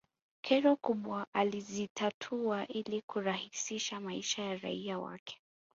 kero kubwa alizitatua ili kurahisisha maisha ya raia wake